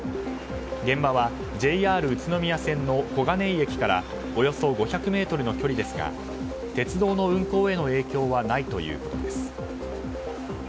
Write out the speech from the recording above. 現場はＪＲ宇都宮線の小金井駅からおよそ５００ｍの距離ですが鉄道の運行への影響はないということです。